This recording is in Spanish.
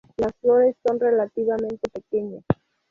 Las flores son relativamente pequeñas.